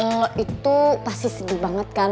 kalau itu pasti sedih banget kan